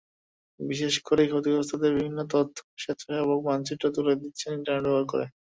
বিশেষ করে ক্ষতিগ্রস্তদের বিভিন্ন তথ্য স্বেচ্ছাসেবকেরা মানচিত্রে তুলে দিচ্ছেন ইন্টারনেট ব্যবহার করে।